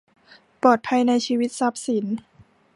ปลอดภัยในชีวิตทรัพย์สิน